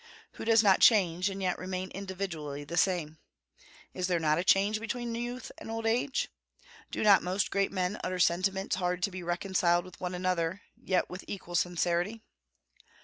Who does not change, and yet remain individually the same? Is there not a change between youth and old age? Do not most great men utter sentiments hard to be reconciled with one another, yet with equal sincerity?